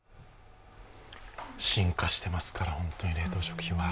進化していますから、本当に冷凍食品は。